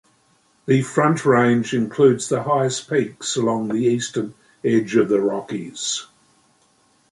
The Front Range includes the highest peaks along the eastern edge of the Rockies.